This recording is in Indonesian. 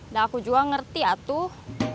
dan aku juga ngerti ya tuh